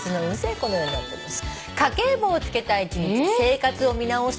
このようになっております。